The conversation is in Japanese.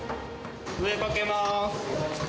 上かけます。